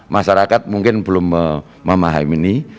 masyarakat mungkin belum memahami